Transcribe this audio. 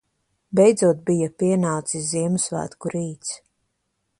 Beidzot bija pienācis Ziemassvētku rīts.